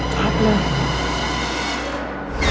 จับแล้ว